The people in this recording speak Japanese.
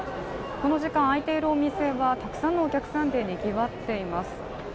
この時間開いているお店はたくさんのお客さんで賑わっています。